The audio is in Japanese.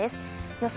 予想